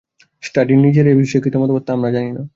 স্টার্ডির নিজের এ বিষয়ে কি মতামত, তা কিন্তু আমি জানি না।